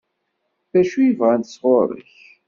D acu i bɣant sɣur-k?